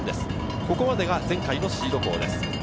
ここまでが前回のシード校です。